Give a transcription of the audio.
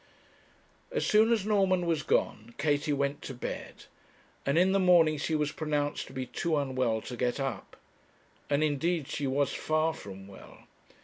As soon as Norman was gone, Katie went to bed: and in the morning she was pronounced to be too unwell to get up. And, indeed, she was far from well.